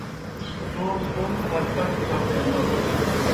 توموْ کوْم ارکٹوْ پھتے نہ بو۔